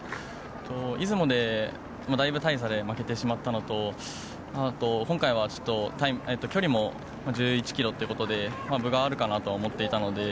出雲でだいぶ大差で負けてしまったのと今回は距離も１１ｋｍということで分があるかなと思っていたので。